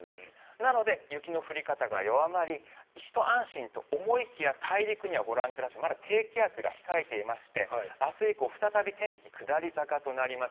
なので、雪の降り方が弱まりひと安心と思いきや大陸にはご覧くださいまだ低気圧が控えていまして明日以降、再び天気下り坂となります。